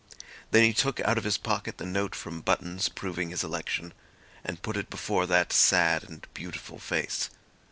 Then he took out of his pocket the note from Buttons proving his election, and put it before that sad and beautiful face.